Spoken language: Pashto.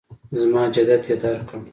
زما جدیت یې درک کړ.